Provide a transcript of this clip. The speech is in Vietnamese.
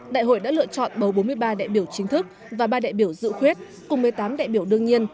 đại hội đã lựa chọn bầu bốn mươi ba đại biểu chính thức và ba đại biểu dự khuyết cùng một mươi tám đại biểu đương nhiên